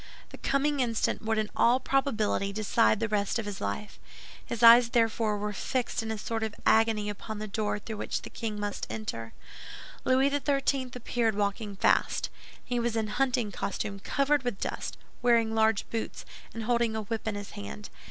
The coming instant would in all probability decide the rest of his life. His eyes therefore were fixed in a sort of agony upon the door through which the king must enter. Louis XIII. appeared, walking fast. He was in hunting costume covered with dust, wearing large boots, and holding a whip in his hand.